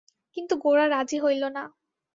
কিন্তু গোরা রাজি হইল না।